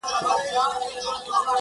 خو تېروتنې بيا تکراريږي ډېر-